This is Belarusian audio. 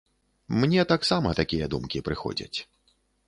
Мне таксама такія думкі прыходзяць.